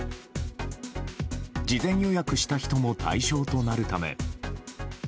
事前予約した人も対象となるため。